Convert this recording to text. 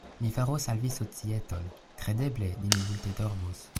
Mi faros al vi societon: kredeble ni ne multe dormos.